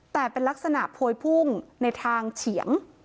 แต่เป็นลักษณะพวยพุ่งในทางเฉียง